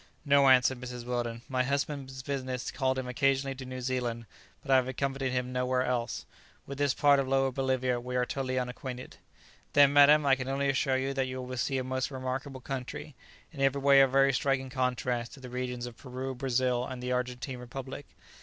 "No," answered Mrs. Weldon; "my husband's business called him occasionally to New Zealand, but I have accompanied him nowhere else. With this part of Lower Bolivia we are totally unacquainted." "Then, madam, I can only assure you that you will see a most remarkable country, in every way a very striking contrast to the regions of Peru, Brazil, and the Argentine republic.